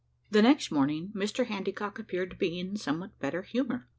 The next morning Mr Handycock appeared to be in somewhat better humour.